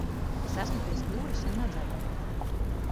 Es esmu pie stūres un nedzeru.